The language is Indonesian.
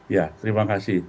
ya terima kasih